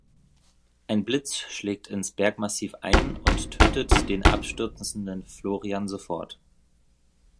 Ein Blitz schlägt ins Bergmassiv ein und tötet den abstürzenden Florian sofort.